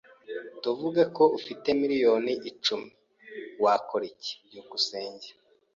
Tuvuge ko ufite miliyoni icumi yen, wakora iki? byukusenge